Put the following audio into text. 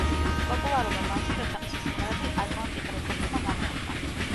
პოპულარობა მაშინ, როცა მისი სიმღერები „ატლანტიკ რეკორდსმა“ გამოუშვა.